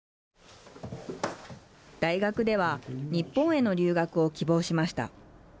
大学では日本への留学を希望しました。